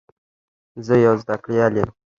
زه یو زده کړیال یم.